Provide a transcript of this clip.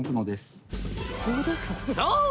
そう！